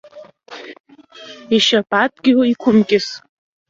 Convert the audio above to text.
Ишьап адгьыл иқәымкьыс!